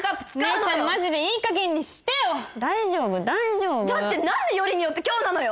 お姉ちゃんマジでいい加減にしてよ大丈夫大丈夫だって何でよりによって今日なのよ